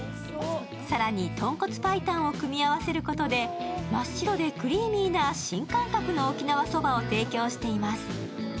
更に豚骨パイタンを組み合わせることで真っ白でクリーミーな新感覚の沖縄そばを提供しています。